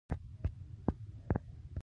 ویرې ته باید نوم ورکړل شي.